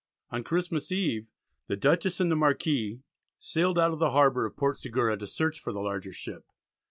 On Christmas eve the Dutchess and the Marquis sailed out of the harbour of Port Segura to search for the larger ship.